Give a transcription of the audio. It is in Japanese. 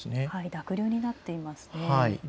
濁流になっています。